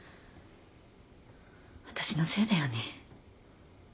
私のせいだよね。